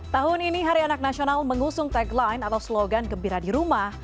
tahun ini hari anak nasional mengusung tagline atau slogan gembira di rumah